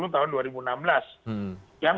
tahun dua ribu enam belas yang